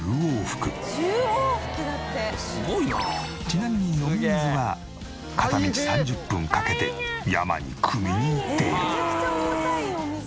ちなみに飲み水は片道３０分かけて山にくみに行っている。